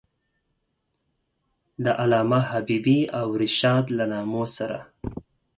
د علامه حبیبي او رشاد له نامو سره.